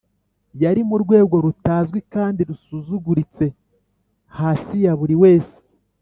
yari mu rwego rutazwi kandi rusuzuguritse hasi ya buri wese.